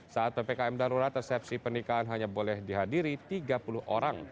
saat ppkm darurat resepsi pernikahan hanya boleh dihadiri tiga puluh orang